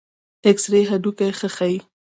د ایکسرې هډوکي ښه ښيي.